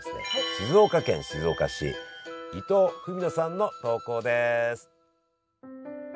静岡県静岡市伊藤史乃さんの投稿です。